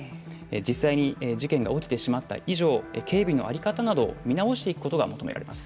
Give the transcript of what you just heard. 実際に事件が起きてしまった以上警備のあり方などを見直していくことが求められます。